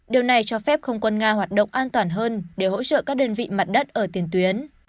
điều này cho phép không quân nga hoạt động an toàn hơn để hỗ trợ các đơn vị mặt đất ở tiền tuyến